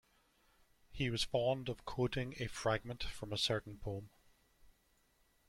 He was fond of quoting a fragment from a certain poem.